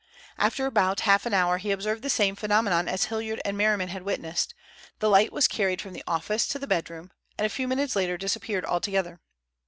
After about half an hour he observed the same phenomenon as Hilliard and Merriman had witnessed—the light was carried from the office to the bedroom, and a few minutes later disappeared altogether.